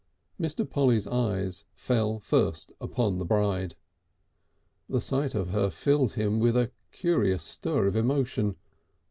Mr. Polly's eye fell first upon the bride; the sight of her filled him with a curious stir of emotion.